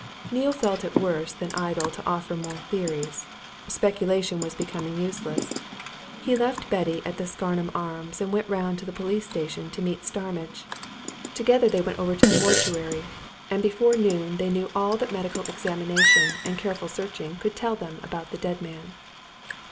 Neale felt it worse than idle to offer more theories speculation was becoming useless. He left Betty at the Scarnham Arms, and went round to the police station to meet Starmidge: together they went over to the mortuary. And before noon they knew all that medical examination and careful searching could tell them about the dead man.